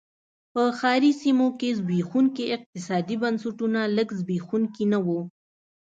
په ښاري سیمو کې زبېښونکي اقتصادي بنسټونه لږ زبېښونکي نه و.